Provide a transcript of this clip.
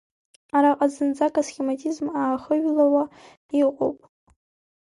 Араҟа зынӡак асхематизм аахыҩлауа иҟоуп.